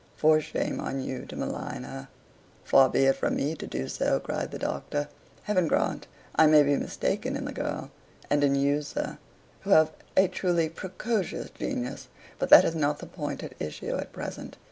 For shame on you to malign her!" "Far be it from me to do so," cried the Doctor. "Heaven grant I may be mistaken in the girl, and in you, sir, who have a truly PRECOCIOUS genius; but that is not the point at issue at present.